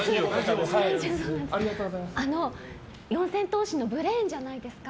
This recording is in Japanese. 四千頭身のブレーンじゃないですか。